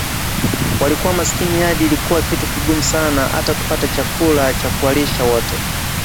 Walikuwa masikini hadi ilikuwa kitu kigumu sana ata kupata chakula cha kuwalisha wote